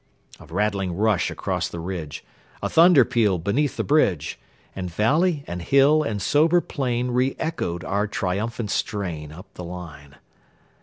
A rattling rush across the ridge, A thunder peal beneath the bridge; And valley and hill and sober plain Re echoed our triumphant strain, Up the line.